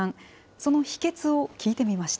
その秘けつを聞いてみました。